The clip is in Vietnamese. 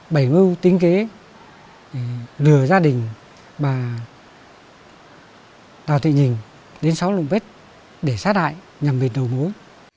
bảy mưu tính kế lừa gia đình bà đào thị nhìn đến xóm lộ pết để sát lại nhằm bịt đầu mối